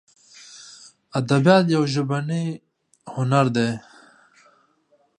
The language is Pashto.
ادبیات یو ژبنی هنر دی.